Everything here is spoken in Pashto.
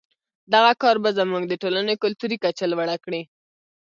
دغه کار به زموږ د ټولنې کلتوري کچه لوړه کړي.